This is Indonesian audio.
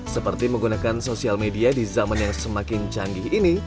seperti menggunakan sosial media di zaman yang semakin canggih ini